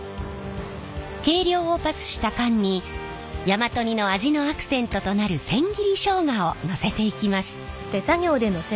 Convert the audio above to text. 計量をパスした缶に大和煮の味のアクセントとなる千切りしょうがをのせていきます。